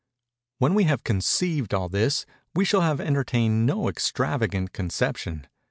When we have conceived all this, we shall have entertained no extravagant conception.